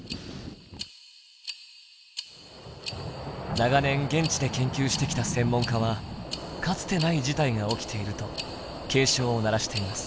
長年現地で研究してきた専門家はかつてない事態が起きていると警鐘を鳴らしています。